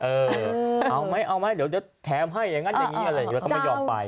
เออเอาไหมเดี๋ยวแถมให้อย่างนั้นอย่างนี้แล้วก็ไม่ยอมไป